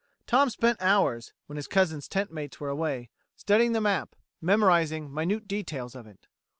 Tom spent hours, when his cousin's tentmates were away, studying the map, memorizing minute details of it.